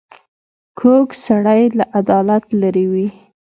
کوږ سړی له عدالت لیرې وي